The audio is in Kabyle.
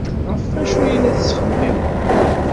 Ɣef wacu ay la tettxemmimed?